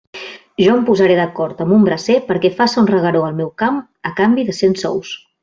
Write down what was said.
Jo em posaré d'acord amb un bracer perquè faça un regueró al meu camp a canvi de cent sous.